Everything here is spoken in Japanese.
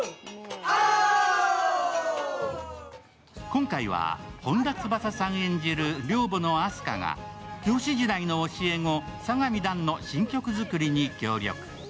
今回は本田翼さん演じる寮母のあす花が教師時代の教え子・佐神弾の新曲作りに協力。